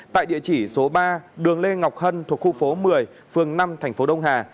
tại địa chỉ số ba đường lê ngọc hân thuộc khu phố một mươi phường năm thành phố đông hà